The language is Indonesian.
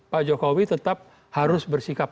pak jokowi tetap harus bersikap